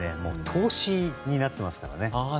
投資になっていますからね。